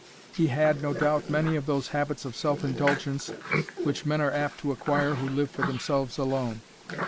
He had, no doubt, many of those habits of self indulgence which men are apt to acquire who live for themselves alone.